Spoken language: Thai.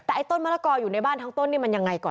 แต่ไอต้นมะละกออยู่ในบ้านทั้งต้นนี่มันยังไงก่อน